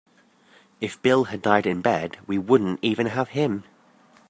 If Bill had died in bed we wouldn't even have him.